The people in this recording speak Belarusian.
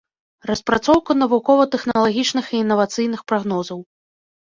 Распрацоўка навукова-тэхналагічных і інавацыйных прагнозаў.